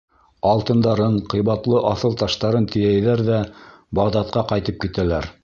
Алтындарын, ҡыйбатлы аҫыл таштарын тейәйҙәр ҙә Бағдадҡа ҡайтып китәләр.